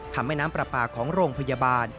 ทำให้น้ำปลาปลาของโรงพยาบาล